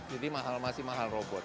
jadi masih mahal robot